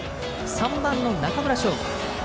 ３番の中村奨吾。